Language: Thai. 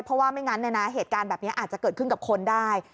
เพราะว่าไม่งั้นเหตุการณ์แบบนี้อาจจะเกิดขึ้นกับคนได้